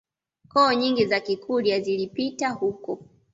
Koo nyingi za Kikurya zilipita huko